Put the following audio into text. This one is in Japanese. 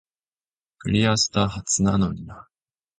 クリアしたはずなのになー